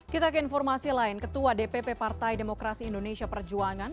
kita ke informasi lain ketua dpp partai demokrasi indonesia perjuangan